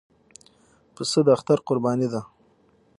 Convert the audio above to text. پسه د اختر قرباني ده.